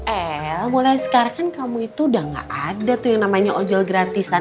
el mulai sekarang kan kamu itu udah gak ada tuh yang namanya ojol gratisan